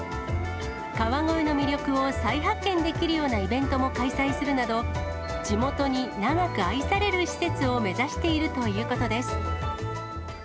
川越の魅力を再発見できるようなイベントも開催するなど、地元に長く愛される施設を目指しているということです。